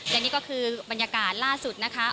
และนี่ก็คือบรรยากาศล่าสุดนะคะ